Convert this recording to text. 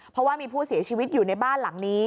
เพราะว่ามีผู้เสียชีวิตอยู่ในบ้านหลังนี้